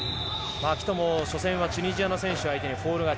キトも初戦はチュニジアの選手にフォール勝ち。